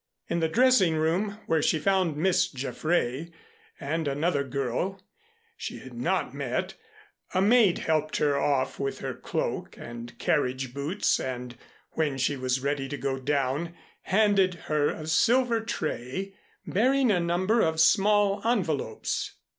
In the dressing room, where she found Miss Jaffray and another girl she had not met, a maid helped her off with her cloak and carriage boots and, when she was ready to go down, handed her a silver tray bearing a number of small envelopes.